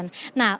nah terima kasih